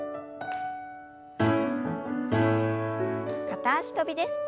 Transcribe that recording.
片脚跳びです。